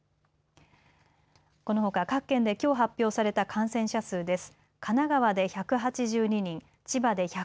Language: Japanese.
このほか各県できょう発表された感染者数です。